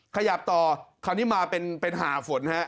ขยับต่อคราวนี้มาเป็นหาฝนฮะ